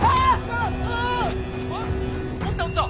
おったおった。